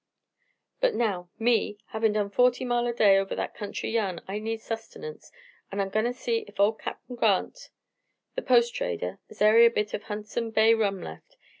"But now, me, havin' did forty mile a day over that country yan, I need sustenance, an' I'm goin' to see ef ol' Cap' Grant, the post trader, has ary bit o' Hundson Bay rum left.